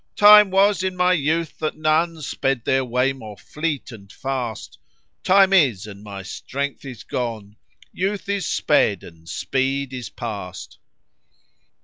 Time was in my youth, that none * Sped their way more fleet and fast: Time is and my strength is gone, * Youth is sped, and speed is past.